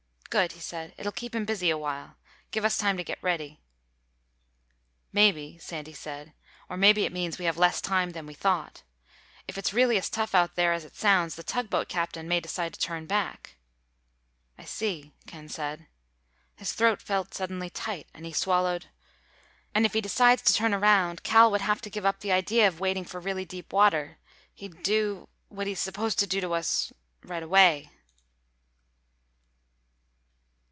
"Good," he said. "It'll keep him busy awhile. Give us time to get ready." "Maybe," Sandy said. "Or maybe it means we have less time than we thought. If it's really as tough out there as it sounds, the tugboat captain may decide to turn back." "I see," Ken said. His throat felt suddenly tight and he swallowed. "And if he decides to turn around, Cal would have to give up the idea of waiting for really deep water. He'd do—what he's supposed to do to us—right away."